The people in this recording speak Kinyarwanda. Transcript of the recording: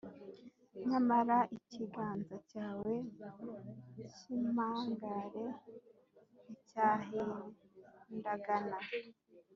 Nyamara ikiganza cyawe cy’impangare nticyahindagana,